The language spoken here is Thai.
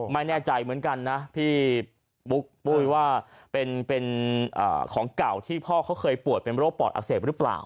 ไม่แน่ใจเหมือนกันนะพี่ปุ๊กปุ้ยว่าเป็นของเก่าที่พ่อเขาเคยป่วยเป็นโรคปอดอักเสบหรือเปล่า